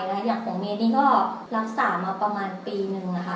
และอย่างของเมดิก็รักษามาประมาณปีหนึ่งค่ะ